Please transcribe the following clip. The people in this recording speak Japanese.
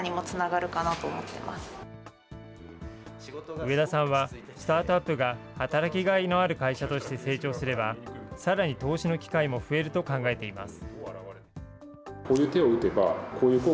上田さんはスタートアップが働きがいのある会社として成長すれば、さらに投資の機会も増えると考えています。